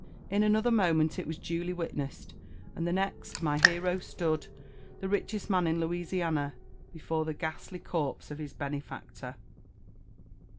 In another, moment it was duly witnessed; and the next, my hero stood, the richest man in Louisiana, before the ghastly corpse of his benefactor.